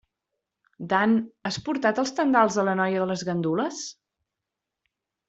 Dan, has portat els tendals a la noia de les gandules?